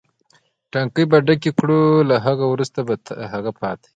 ټانکۍ به یې ډکې کړو، له هغه وروسته به هغه پاتې.